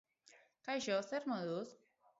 Kaixo zer moduz?